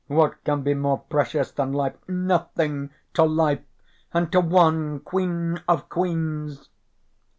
What can be more precious than life? Nothing! To life, and to one queen of queens!"